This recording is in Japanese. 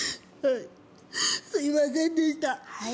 はいすいませんでした。